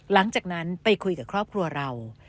หลังจากนั้นไปคุยกับครอบครัวเรา